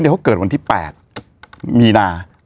เดี๋ยวเขาเกิดวันที่๘มีนา